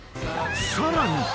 ［さらに］